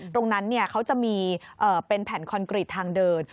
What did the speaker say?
ตรงนั้นเขาจะมีเป็นแผ่นคอนกรีตทางเดิน